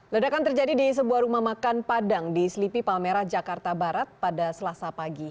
ledakan terjadi di sebuah rumah makan padang di selipi palmerah jakarta barat pada selasa pagi